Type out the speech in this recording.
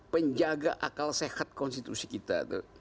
penjaga akal sehat konstitusi kita